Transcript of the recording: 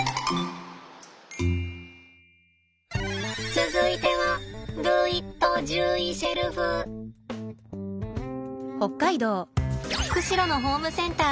続いては釧路のホームセンターよ。